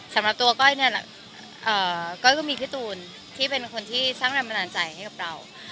สำหรับตัวก้อยเนี่ยก้อยก็มีพี่ตูนที่เป็นคนที่สร้างแรงบันดาลใจให้กับเรา